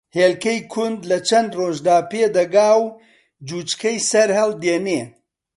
ھێلکەی کوند لە چەن ڕۆژدا پێ دەگا و جوچکەی سەرھەڵدێنێ